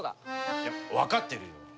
いや分かってるよ。